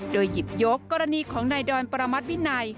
โดยหยิบยกกรณีของนายดอนประมาทวินัย